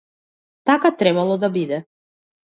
Така требало да биде.